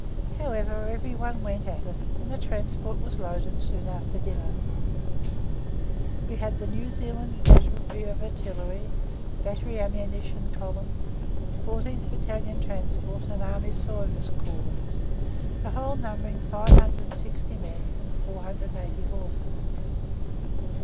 However, everyone went at it, and the transport was loaded soon after dinner. We had the New Zealand Battery of Artillery, Battery Ammunition Column, 14th Battalion Transport and Army Service Corps with us, the whole numbering 560 men and 480 horses.